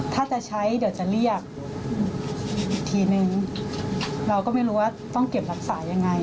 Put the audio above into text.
ถ้าจะใช้เดี๋ยวจะเรียกอีกทีนึงเราก็ไม่รู้ว่าต้องเก็บรักษายังไง